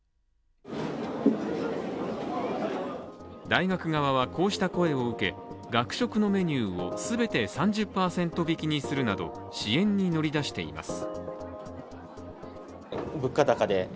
大学側はこうした声を受け学食のメニューを全て３０％引きにするなど支援に乗り出しています。